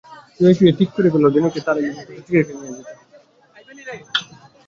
শুয়ে-শুয়ে ঠিক করে ফেলল, দিনুকে ভাল একজন সাইকিয়াট্রিস্ট্রের কাছে নিয়ে যেতে হবে।